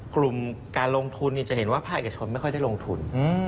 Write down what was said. กลุ่มการลงทุนจะเห็นว่าภาคเอกชนไม่ค่อยได้ลงทุน